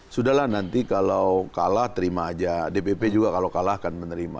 sudah lah nanti kalau kalah terima aja dpp juga kalau kalah akan menerima